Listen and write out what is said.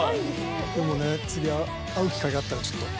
でもね、次会う機会があったらちょっと。